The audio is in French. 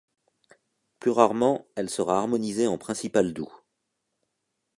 Plus rarement elle sera harmonisée en principal doux.